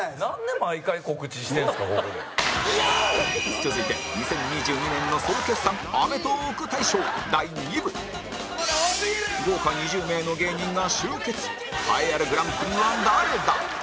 続いて、２０２２年の総決算アメトーーク大賞、第２部豪華２０名の芸人が集結栄えあるグランプリは誰だ？